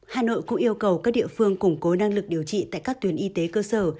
hà nội cũng yêu cầu các địa phương củng cố năng lực điều trị tại các tuyến y tế cơ sở